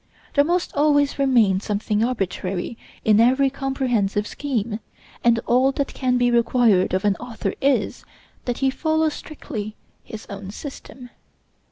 There must always remain something arbitrary in every comprehensive scheme, and all that can be required of an author is, that he follow strictly his own system.